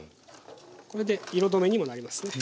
これで色止めにもなりますね。